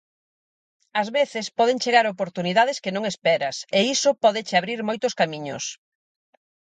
Ás veces poden chegar oportunidades que non esperas, e iso pódeche abrir moitos camiños.